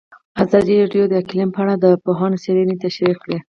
ازادي راډیو د اقلیم په اړه د پوهانو څېړنې تشریح کړې.